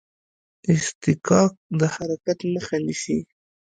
اصطکاک د حرکت مخه نیسي.